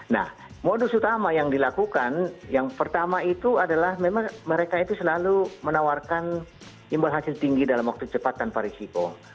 nah modus utama yang dilakukan yang pertama itu adalah memang mereka itu selalu menawarkan imbal hasil tinggi dalam waktu cepat tanpa risiko